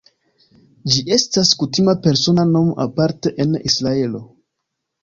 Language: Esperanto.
Ĝi estas kutima persona nomo aparte en Israelo.